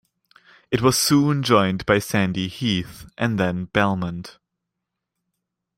It was soon joined by Sandy Heath and then Belmont.